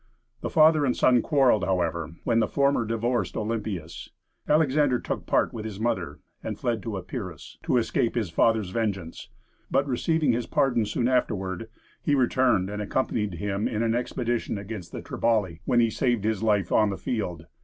The father and son quarrelled, however, when the former divorced Olympias. Alexander took part with his mother, and fled to Epirus, to escape his father's vengeance; but receiving his pardon soon afterward, he returned, and accompanied him in an expedition against the Triballi, when he saved his life on the field.